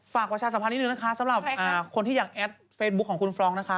ประชาสัมพันธ์นิดนึงนะคะสำหรับคนที่อยากแอดเฟซบุ๊คของคุณฟรองกนะคะ